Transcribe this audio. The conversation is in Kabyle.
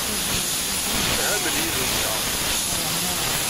Ttemsefhamen yid-nteɣ.